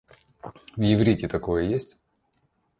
В иврите и такое есть?